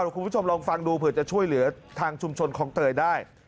คุณผู้ชมลองฟังดูเผื่อจะช่วยเหลือทางชุมชนคลองเตยได้